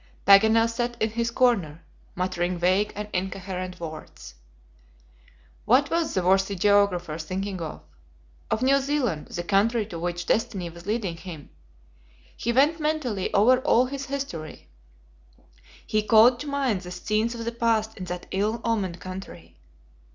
Paganel sat in his corner, muttering vague and incoherent words. What was the worthy geographer thinking of? Of New Zealand, the country to which destiny was leading him. He went mentally over all his history; he called to mind the scenes of the past in that ill omened country.